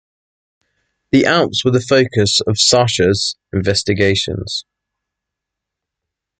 The Alps were the focus of Saussure's investigations.